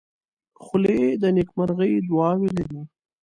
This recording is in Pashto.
خولۍ د نیکمرغۍ دعاوې لري.